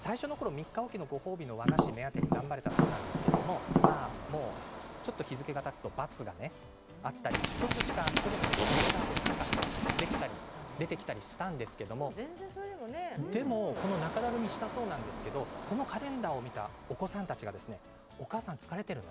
３日置きのご褒美の和菓子目当てに頑張れたそうですがちょっと日付がたつと×があったり１つしかストレッチができなかったという△も出てきたりしたんですけどでも、この中だるみはしたそうですがこのカレンダーを見てお子さんたちがお母さん疲れているの？